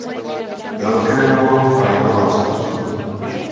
Velkého a jeho nástupců.